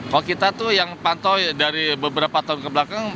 kalau kita tuh yang pantau dari beberapa tahun kebelakang